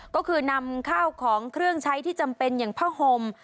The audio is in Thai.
ก็คือนำข้าวของเครื่องใช้ที่จำเป็นอย่างผ้าห่ม